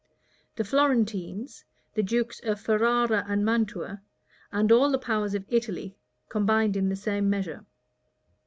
The Florentines, the dukes of Ferrara and Mantua, and all the powers of Italy, combined in the same measure.